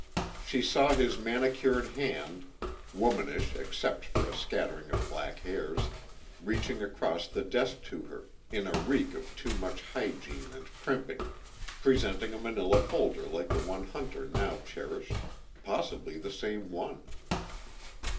She saw his manicured hand, womanish except for a scattering of black hairs, reaching across the desk to her, in a reek of too much hygiene and primping, presenting a Manila folder like the one Hunter now cherished, possibly the same one.